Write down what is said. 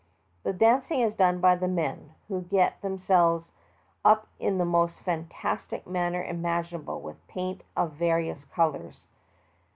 The dancing is done by the men, who get them selves up in the most fantastic manner imaginable with paint of various colors.